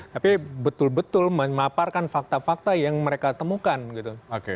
tapi betul betul memaparkan fakta fakta yang mereka temukan gitu